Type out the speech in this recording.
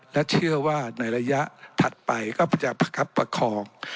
และเชื่อว่าในระยะถัดไปก็จะประคับประคอง